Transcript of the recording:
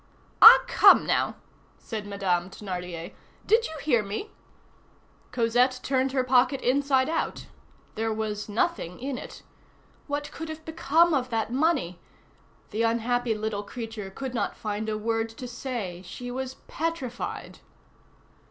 "Ah, come now," said Madame Thénardier, "did you hear me?" Cosette turned her pocket inside out; there was nothing in it. What could have become of that money? The unhappy little creature could not find a word to say. She was petrified.